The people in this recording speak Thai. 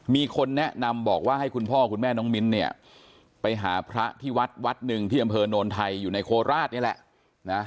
มีคนแนะนำบอกว่าให้คุณพ่อคุณแม่น้องมิ้นเนี่ยไปหาพระที่วัดวัดหนึ่งที่อำเภอโนนไทยอยู่ในโคราชนี่แหละนะ